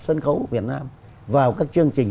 sân khấu việt nam vào các chương trình